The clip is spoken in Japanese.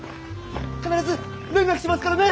必ず連絡しますからね。